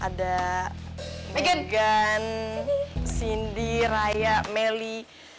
ada megan cindy raya melly